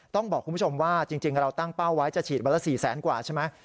ต้องบอกคุณผู้ชมว่าจริงเราตั้งเป้าไว้จะฉีดวันละ๔แสนกว่าใช่ไหม